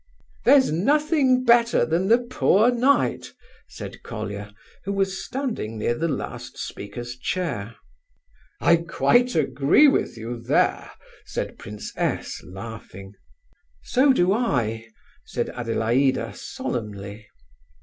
"There's nothing better than the 'poor knight'!" said Colia, who was standing near the last speaker's chair. "I quite agree with you there!" said Prince S., laughing. "So do I," said Adelaida, solemnly.